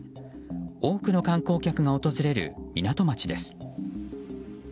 多くの観光客が訪れる港町です。